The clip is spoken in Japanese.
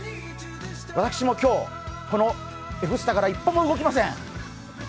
僕はこのＦスタから一歩も動きません！